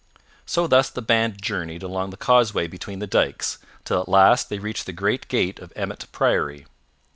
So thus the band journeyed along the causeway between the dikes, till at last they reached the great gate of Emmet Priory.